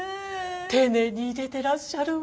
丁寧にいれてらっしゃるわ。